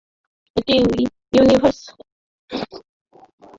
এটি Universal Pictures স্টুডিওর ইতিহাসে বিশ্বব্যাপী বিতরণের সবচেয়ে উচ্চাভিলাষী প্রকল্প।